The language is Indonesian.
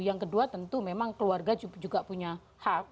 yang kedua tentu memang keluarga juga punya hak